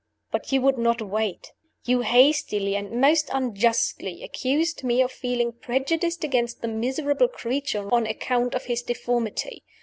But you would not wait. You hastily (and most unjustly) accused me of feeling prejudiced against the miserable creature on account of his deformity.